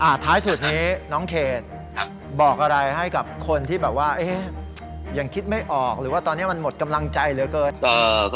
ท้ายสุดนี้น้องเขตบอกอะไรให้กับคนที่แบบว่ายังคิดไม่ออกหรือว่าตอนนี้มันหมดกำลังใจเหลือเกิน